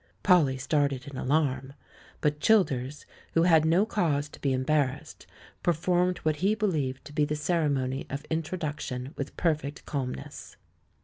Polly started in alarm, but Childers, who had no cause to be embarrassed, performed what he believed to be the ceremony of introduction with perfect calmness.